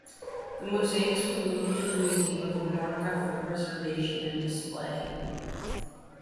The mosaics were moved to the Museum of Menorca for preservation and display.